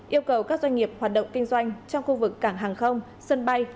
yêu cầu các doanh nghiệp hoạt động kinh doanh trong khu vực cảng hàng không sân bay